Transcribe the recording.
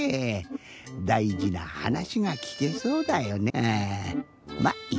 だいじなはなしがきけそうだよね。